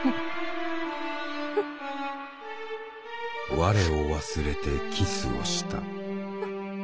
「我を忘れてキスをした。